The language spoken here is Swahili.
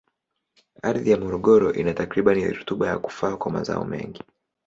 Ardhi ya Morogoro ina takribani rutuba ya kufaa kwa mazao mengi.